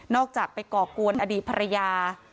อกจากไปก่อกวนอดีตภรรยา